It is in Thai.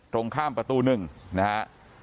ตรงข้ามประตูหนึ่งนะฮะ